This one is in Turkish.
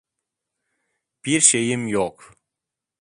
Bir şeyim yok.